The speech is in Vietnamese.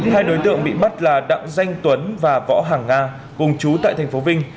hai đối tượng bị bắt là đặng danh tuấn và võ hàng nga cùng chú tại tp vinh